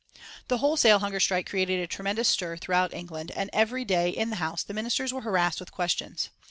The wholesale hunger strike created a tremendous stir throughout England, and every day in the House the Ministers were harassed with questions.